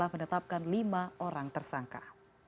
menetapkan lima orang tersangka